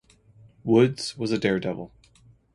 Woods was a daredevil.